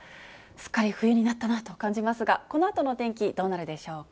すっかり冬になったなと感じますが、このあとのお天気、どうなるでしょうか。